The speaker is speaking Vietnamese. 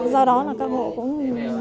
do đó là các hộ cũng